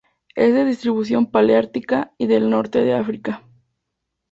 Es de distribución paleártica y del norte de África.